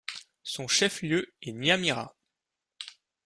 Son chef-lieu est Nyamira.